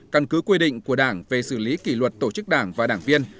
căn cứ quy định của đảng về xử lý kỷ luật tổ chức đảng và đảng viên